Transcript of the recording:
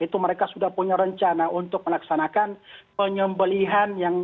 itu mereka sudah punya rencana untuk melaksanakan penyembelihan yang